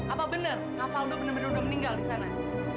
apa bener kapa udah bener bener meninggal disana